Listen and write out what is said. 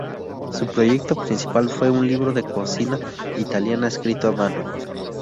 Su proyecto principal fue un libro de cocina italiana escrito a mano.